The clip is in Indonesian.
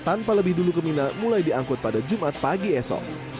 tanpa lebih dulu ke mina mulai diangkut pada jumat pagi esok